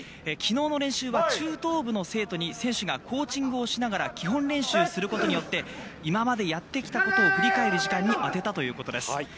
きのうの練習は中等部の生徒に選手がコーチングをしながら基本練習することによって今までやってきたことを振り返る時間にあてたということです。